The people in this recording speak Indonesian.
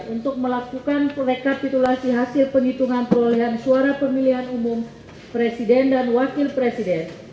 untuk melakukan rekapitulasi hasil penghitungan perolehan suara pemilihan umum presiden dan wakil presiden